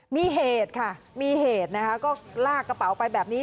มีเหตุค่ะมีเหตุนะคะก็ลากกระเป๋าไปแบบนี้